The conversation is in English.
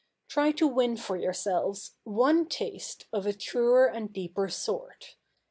Try to win for yourselves one taste of a truer and deeper sort.